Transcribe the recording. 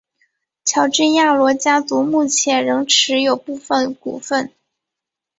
乔治亚罗家族目前仍持有部份股权。